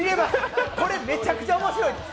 これめちゃくちゃ面白いです。